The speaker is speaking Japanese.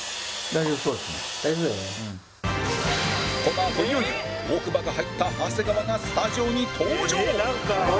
このあといよいよ奥歯が入った長谷川がスタジオに登場！